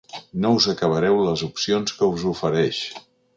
No us acabareu les opcions que us ofereix.